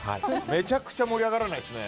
めちゃくちゃ盛り上がらないですね。